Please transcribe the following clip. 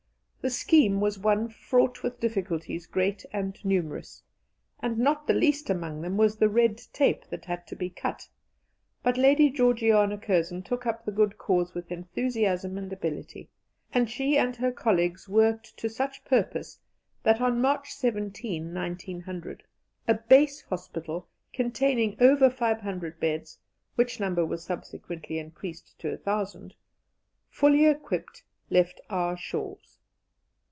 The scheme was one fraught with difficulties great and numerous, and not the least amongst them was the "red tape" that had to be cut; but Lady Georgiana Curzon took up the good cause with enthusiasm and ability, and she and her colleagues worked to such purpose that, on March 17, 1900, a base hospital containing over 500 beds (which number was subsequently increased to 1,000), fully equipped, left our shores.